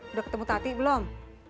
udah ketemu tati belum